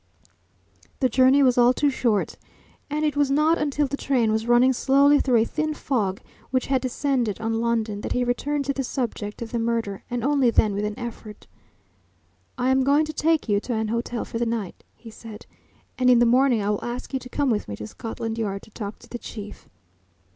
The journey was all too short, and it was not until the train was running slowly through a thin fog which had descended on London that he returned to the subject of the murder, and only then with an effort. "I am going to take you to an hotel for the night," he said, "and in the morning I will ask you to come with me to Scotland Yard to talk to the Chief."